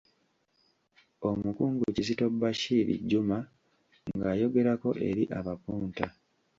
Omukungu Kizito Bashir Juma ng'ayogerako eri abapunta.